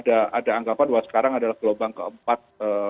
ada anggapan bahwa sekarang adalah gelombang keempat